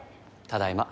ただいま。